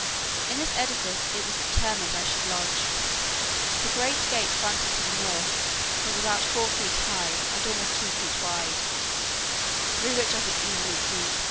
In this edifice it was determined I should lodge. The great gate fronting to the north was about four feet high, and almost two feet wide, through which I could easily creep.